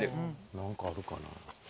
なんかあるかな。